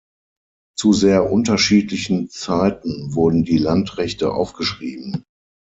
Zu sehr unterschiedlichen Zeiten wurden die Landrechte aufgeschrieben.